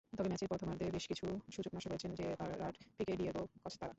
তবে ম্যাচের প্রথমার্ধে বেশ কিছু সুযোগ নষ্ট করেছেন জেরার্ড পিকে-ডিয়েগো কস্তারা।